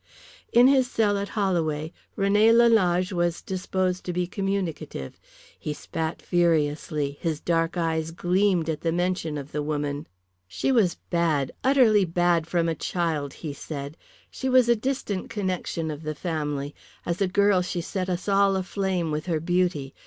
In his cell at Holloway René Lalage was disposed to be communicative. He spat furiously, his dark eyes gleamed at the mention of the woman. "She was bad, utterly bad from a child," he said. "She was a distant connexion of the family. As a girl she set us all aflame with her beauty.